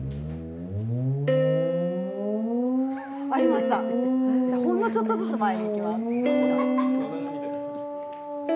合いました、ほんのちょっとずつ前にいきます。